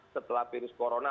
setelah virus corona